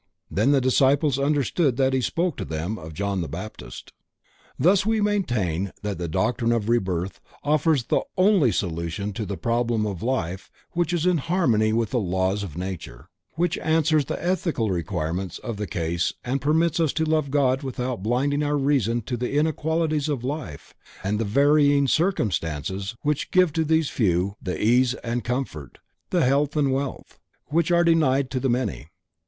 then the disciples understood that he spoke to them of John the Baptist." Thus we maintain that the Doctrine of Rebirth offers the only solution to the problem of life which is in harmony with the laws of nature, which answers the ethical requirements of the case and permits us to love God without blinding our reason to the inequalities of life and the varying circumstances which give to a few the ease and comfort, the health and wealth, which are denied to the many.